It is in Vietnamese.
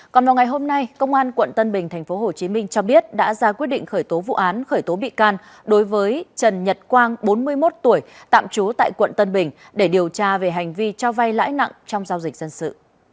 còn vào ngày hôm nay công an quận tân bình thành phố hồ chí minh cho biết đã ra quyết định khởi tố vụ án khởi tố bị can đối với trần nhật quang bốn mươi một tuổi tạm trú tại quận tân bình để điều tra về hành vi trao vai lãi nặng trong giao dịch dân sự